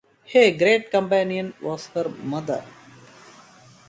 Her great companion was her mother.